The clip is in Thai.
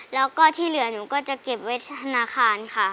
แล้วก็ที่เหลือหนูก็จะเก็บไว้ธนาคารค่ะ